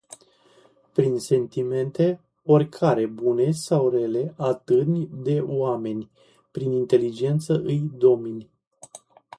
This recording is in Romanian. Prin sentimente oricare: bune sau rele, atârni de oameni. Prin inteligență îi domini.